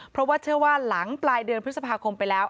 เพราะว่าเชื่อว่าหลังปลายเดือนพฤษภาคมไปแล้ว